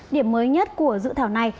điểm mới nhất của dự thảo này